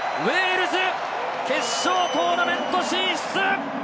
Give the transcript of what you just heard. ウェールズ、決勝トーナメント進出！